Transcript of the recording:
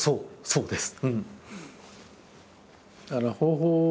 そうです。